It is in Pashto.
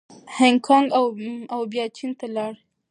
هانګکانګ او بیا چین ته لاړ.